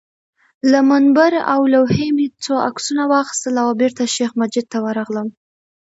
له منبر او لوحې مې څو عکسونه واخیستل او بېرته شیخ مجید ته ورغلم.